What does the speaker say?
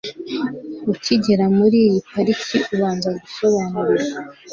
Ukigera muri iyi Pariki ubanza gusobanurirwa